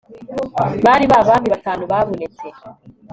bati ba bami batanu babonetse